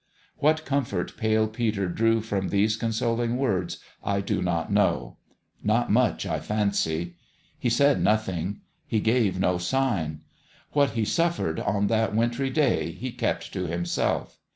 What comfort Pale Peter drew from these consoling words, I do not know. Not much, I fancy. He said nothing: he gave no sign. What he suffered on that wintry day he kept to himself.